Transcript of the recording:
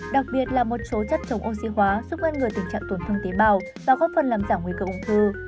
đặc biệt là một số chất chống oxy hóa giúp ngăn ngừa tình trạng tổn thương tế bào và góp phần làm giảm nguy cơ ung thư